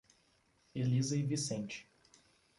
Elisa e Vicente